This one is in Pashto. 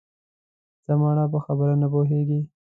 ځه مړه په خبره نه پوهېږې